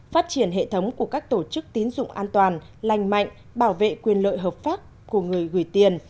phát triển hệ thống của các tổ chức tín dụng an toàn lành mạnh bảo vệ quyền lợi hợp pháp của người gửi tiền